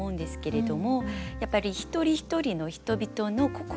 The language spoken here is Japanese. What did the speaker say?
やっぱり一人一人の人々の心。